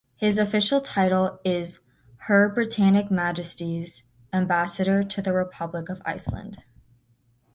His official title is Her Britannic Majesty's Ambassador to the Republic of Iceland.